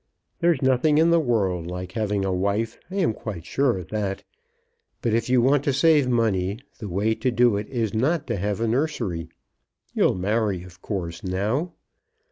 There's nothing in the world like having a wife. I am quite sure of that. But if you want to save money, the way to do it is not to have a nursery. You'll marry, of course, now?"